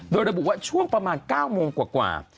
โดยระบุว่าช่วงประมาณ๙โมงกว่า